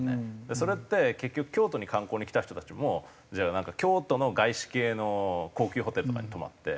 それって結局京都に観光に来た人たちもじゃあなんか京都の外資系の高級ホテルとかに泊まって。